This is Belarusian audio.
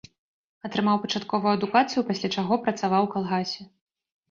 Атрымаў пачатковую адукацыю, пасля чаго працаваў у калгасе.